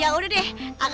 aku duluan deh beb beb